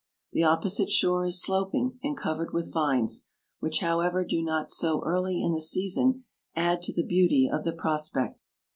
The opposite shore is sloping, and covered with vines, which however do not so early in the season add to the beauty of the prospect.